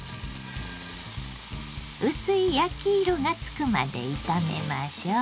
薄い焼き色がつくまで炒めましょう。